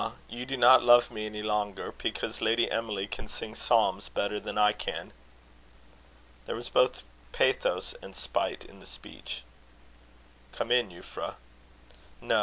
you do not love me any longer, because Lady Emily can sing psalms better than I can!" There was both pathos and spite in the speech. "Come in, Euphra." "No.